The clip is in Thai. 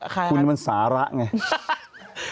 คุณมันสาระไง